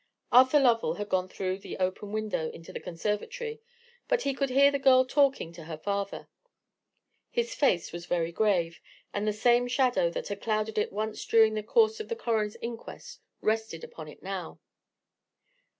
Arthur Lovell had gone through the open window into the conservatory: but he could hear the girl talking to her father. His face was very grave: and the same shadow that had clouded it once during the course of the coroner's inquest rested upon it now.